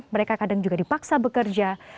mereka kadang juga dipaksa bekerja